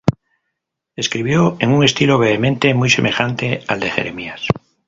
Escribió en un estilo vehemente, muy semejante al de Jeremías.